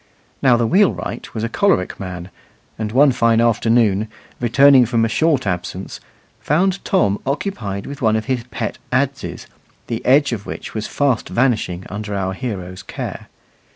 Now the wheelwright was a choleric man, and one fine afternoon, returning from a short absence, found Tom occupied with one of his pet adzes, the edge of which was fast vanishing under our hero's care.